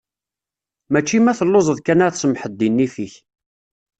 Mačči ma telluzeḍ kan ad tsemḥeḍ deg nnif-ik.